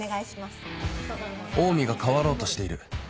オウミが変わろうとしている